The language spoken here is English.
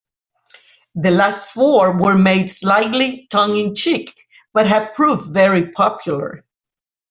The last four were made slightly tongue-in-cheek, but have proved very popular.